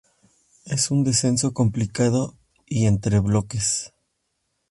Es un descenso complicado y entre bloques.